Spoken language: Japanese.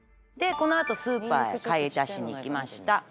この後スーパーへ買い出しに行きました。